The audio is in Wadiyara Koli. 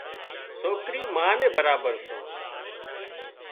سوڪرِي ما نين برابر سي